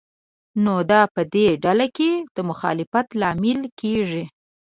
نو دا په دې ډله کې د مخالفت لامل کېږي.